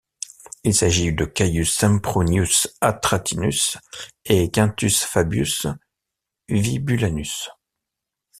Il s'agit de Caius Sempronius Atratinus et Quintus Fabius Vibulanus.